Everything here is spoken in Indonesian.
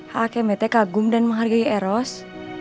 hkmt kagum dan menghargai eros